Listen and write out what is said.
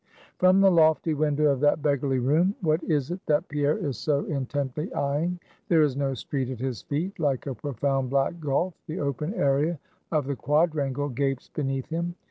From the lofty window of that beggarly room, what is it that Pierre is so intently eying? There is no street at his feet; like a profound black gulf the open area of the quadrangle gapes beneath him.